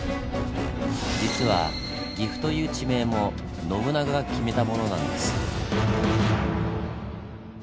実は「岐阜」という地名も信長が決めたものなんです。